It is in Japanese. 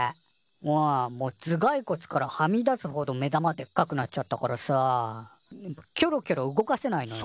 うんもうずがいこつからはみ出すほど目玉でっかくなっちゃったからさキョロキョロ動かせないのよ。